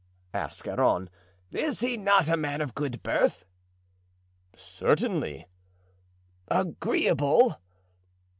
asked Scarron; "is he not a man of good birth?" "Certainly." "Agreeable?"